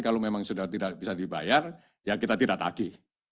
kalau memang sudah tidak bisa dibayar ya kita tidak tagih